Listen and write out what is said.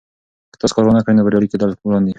که تاسو کار ونکړئ نو بریالي کیدل ګران دي.